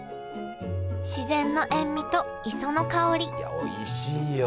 自然の塩味と磯の香りいやおいしいよ。